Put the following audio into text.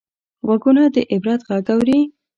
غوږونه د عبرت غږ اوري